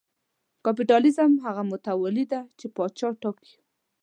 کاپیتالېزم هغه متولي دی چې پاچا ټاکي.